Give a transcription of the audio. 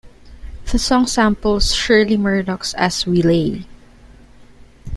The song samples Shirley Murdock's "As We Lay".